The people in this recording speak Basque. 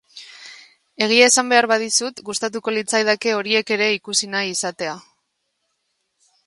Egia esan behar badizut, gustatuko litzaidake horiek ere ikusi nahi izatea.